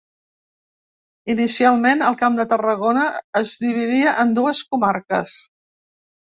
Inicialment el Camp de Tarragona es dividia en dues comarques: